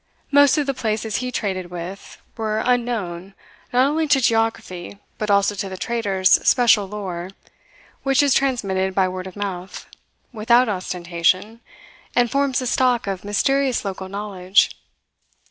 Most of the places he traded with were unknown not only to geography but also to the traders' special lore which is transmitted by word of mouth, without ostentation, and forms the stock of mysterious local knowledge.